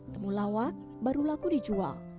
temulawak baru laku dijual